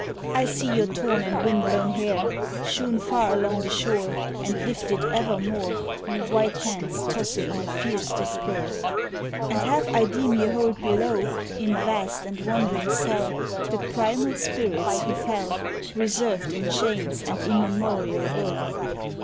I see your torn and wind blown hair, Shewn far along the shore, And lifted evermore You white hands tossing in a fierce despair; And half I deem ye hold below, In vast and wandering cell, The primal spirits who fell, Reserved in chains and immemorial woe.